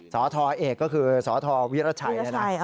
สธเอกก็คือสธวิรัชัย